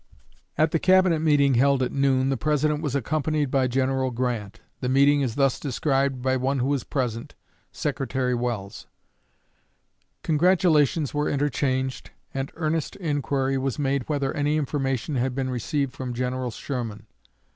At the Cabinet meeting held at noon the President was accompanied by General Grant. The meeting is thus described by one who was present, Secretary Welles: "Congratulations were interchanged, and earnest inquiry was made whether any information had been received from General Sherman.